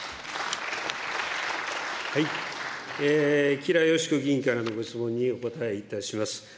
吉良よし子議員からのご質問にお答えいたします。